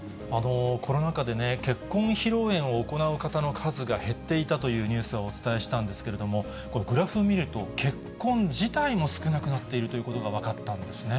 コロナ禍で、結婚披露宴を行う方の数が減っていたというニュースはお伝えしたんですけれども、グラフを見ると、結婚自体も少なくなっているということが分かったんですね。